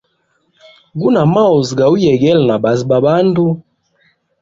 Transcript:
Guna maozi gauyegela na baazi ba bandu.